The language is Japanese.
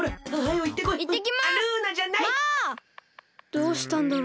どうしたんだろう。